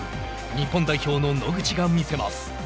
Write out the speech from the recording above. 日本代表の野口が見せます。